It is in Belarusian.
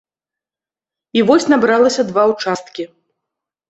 І вось набралася два ўчасткі.